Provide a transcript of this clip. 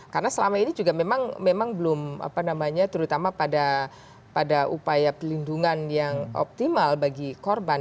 karena selama ini juga memang belum apa namanya terutama pada upaya pelindungan yang optimal bagi korban